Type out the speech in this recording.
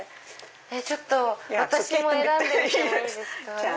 ちょっと私も選んでみてもいいですか。